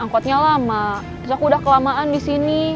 angkotnya lama terus aku udah kelamaan disini